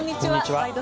「ワイド！